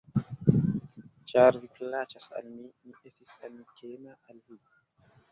Ĉar vi plaĉas al mi; mi estis amikema al vi.